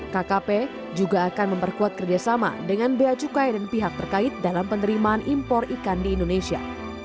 kkp juga akan memperkuat kerjasama dengan bea cukai dan pihak terkait dalam penerimaan impor ikan di indonesia